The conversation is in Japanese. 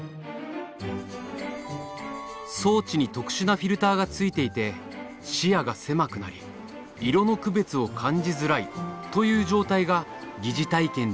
装置に特殊なフィルターがついていて視野が狭くなり色の区別を感じづらいという状態が疑似体験できるという。